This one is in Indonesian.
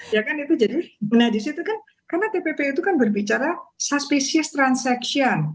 ya kan itu jadi nah disitu kan karena tpp itu kan berbicara suspecies transaction